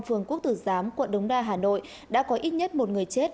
phường quốc tử giám quận đống đa hà nội đã có ít nhất một người chết